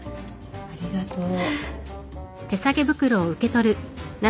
ありがとう。